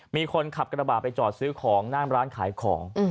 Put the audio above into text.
มีคนขับกระบาดไปจอดซื้อของหน้าร้านขายของ